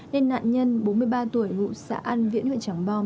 nên nạn nhân bốn mươi ba tuổi ngụ xã an viễn huyện tràng bom